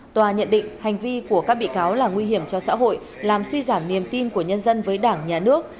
tòa nhận định hành vi của các bị cáo là nguy hiểm cho xã hội làm suy giảm niềm tin của nhân dân với đảng nhà nước